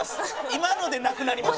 今のでなくなりました。